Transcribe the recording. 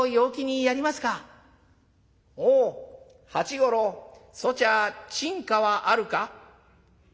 「おう八五郎そちは珍歌はあるか？」。